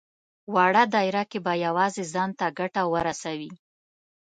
وړه دايره کې به يوازې ځان ته ګټه ورسوي.